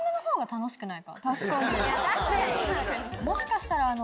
もしかしたら。